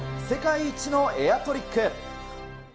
世界一のエアトリック。